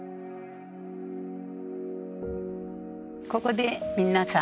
ここで皆さん